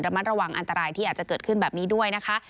มัดระวังอันตรายที่อาจจะเกิดขึ้นแบบนี้ด้วยนะคะ